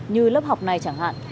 như lớp học này chẳng hạn